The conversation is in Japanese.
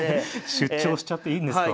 出張しちゃっていいんですか？